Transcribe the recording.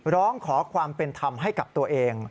ร้องขอความเป็นธรรมให้กับตัวเอง